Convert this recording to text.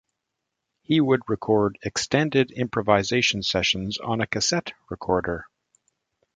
He would record extended improvisation sessions on a cassette recorder.